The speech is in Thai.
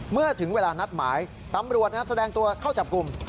เมื่อถึงเวลานัดหมายตำรวจแสดงตัวเข้าจับกลุ่ม